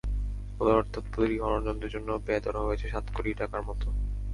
অর্থাৎ, প্রতিটি খননযন্ত্রের জন্য ব্যয় ধরা হয়েছে সাত কোটি টাকার মতো।